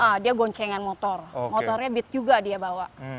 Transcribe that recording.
iya dia goncengan motor motornya beat juga dia bawa